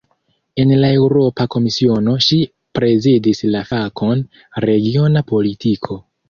En la Eŭropa Komisiono ŝi prezidis la fakon "regiona politiko".